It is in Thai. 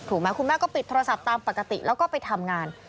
คุณแม่ก็ปิดโทรศัพท์ตามปกติแล้วก็ไปทำงาน